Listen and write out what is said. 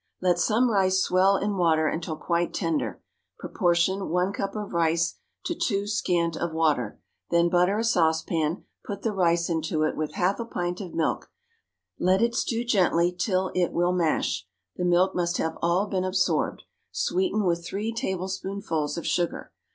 _ Let some rice swell in water until quite tender; proportion, one cup of rice to two (scant) of water; then butter a saucepan; put the rice into it, with half a pint of milk; let it stew gently till it will mash; the milk must have all been absorbed; sweeten with three tablespoonfuls of sugar.